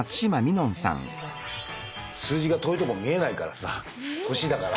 数字が遠いとこ見えないからさ年だから。